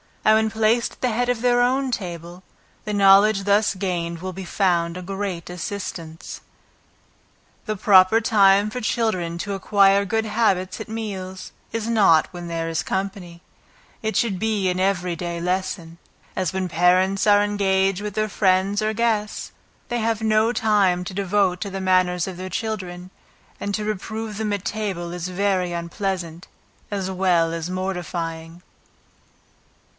And when placed at the head of their own table, the knowledge thus gained will be found a great assistance. The proper time for children to acquire good habits at meals, is not when there is company; it should be an every day lesson. As when parents are engaged with their friends or guests, they have no time to devote to the manners of their children, and to reprove them at table is very unpleasant, as well as mortifying.